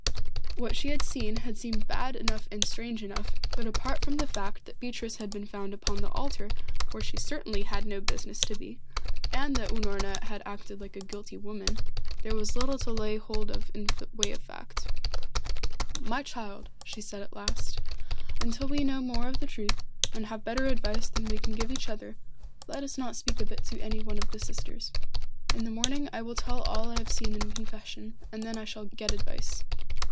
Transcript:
What she had seen had seemed bad enough and strange enough, but apart from the fact that Beatrice had been found upon the altar, where she certainly had no business to be, and that Unorna had acted like a guilty woman, there was little to lay hold of in the way of fact. "My child," she said at last, "until we know more of the truth, and have better advice than we can give each other, let us not speak of it to any one of the sisters. In the morning I will tell all I have seen in confession, and then I shall get advice.